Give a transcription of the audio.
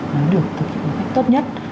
mà được thực hiện một cách tốt nhất